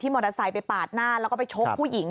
มอเตอร์ไซค์ไปปาดหน้าแล้วก็ไปชกผู้หญิง